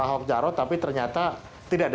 ahok jarot tapi ternyata tidak ada